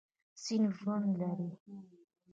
سیند ژوند لري.